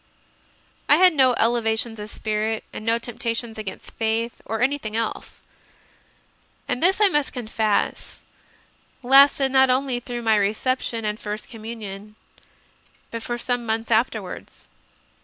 I had no elevations of spirit and no temptations against faith or anything else; and this, I must con fess, lasted not only through my reception and First Communion, but for some months afterwards.